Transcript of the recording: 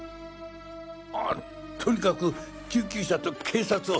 ああとにかく救急車と警察を。